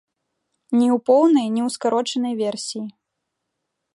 Ні ў поўнай, ні ў скарочанай версіі.